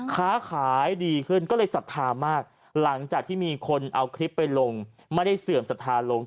ค้าขายดีขึ้นก็เลยศรัทธามากหลังจากที่มีคนเอาคลิปไปลงไม่ได้เสื่อมศรัทธาลง